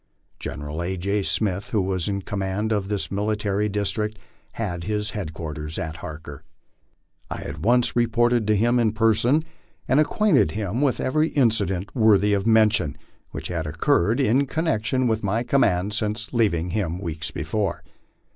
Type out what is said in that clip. General A. J. Smith, who was in command of this military district, had his headquarters at Harker. I at once reported to him in person, and acquainted him with every incident worthy of mention which had occurred in connection with my command since leaving him weeks before.